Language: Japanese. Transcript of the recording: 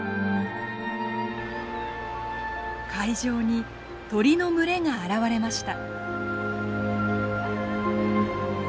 海上に鳥の群れが現れました。